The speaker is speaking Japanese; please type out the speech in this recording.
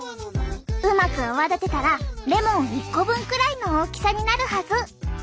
うまく泡立てたらレモン１個分くらいの大きさになるはず。